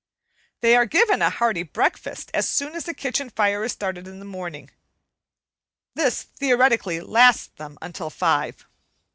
They are given a hearty breakfast as soon as the kitchen fire is started in the morning. This theoretically lasts them until five.